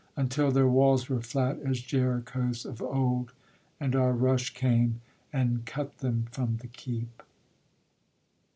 until Their walls were flat as Jericho's of old, And our rush came, and cut them from the keep.